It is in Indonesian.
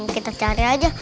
kita cari aja